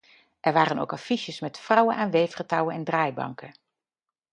Er waren ook affiches met vrouwen aan weefgetouwen en draaibanken.